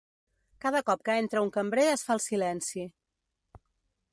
Cada cop que entra un cambrer es fa el silenci.